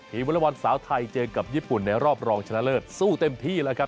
วอลบอลสาวไทยเจอกับญี่ปุ่นในรอบรองชนะเลิศสู้เต็มที่แล้วครับ